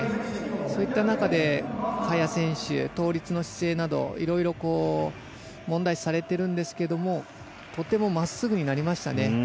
そういった中で、萱選手倒立の姿勢など色々問題視されてるんですけどもとても真っすぐになりましたね。